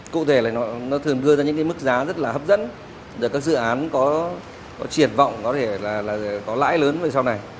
cụ thể là nó thường đưa ra những mức giá rất là hấp dẫn các dự án có triệt vọng có thể là có lãi lớn về sau này